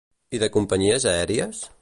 I de companyies aèries?